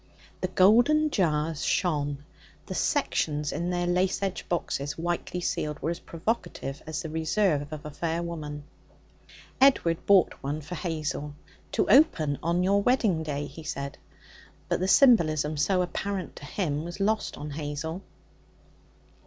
The golden jars shone; the sections in their lace edged boxes, whitely sealed, were as provocative as the reserve of a fair woman. Edward bought one for Hazel. 'To open on your wedding day,' he said. But the symbolism, so apparent to him, was lost on Hazel.